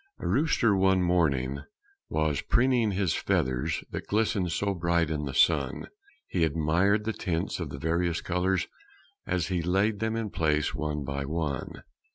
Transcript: A rooster one morning was preening his feathers That glistened so bright in the sun; He admired the tints of the various colors As he laid them in place one by one.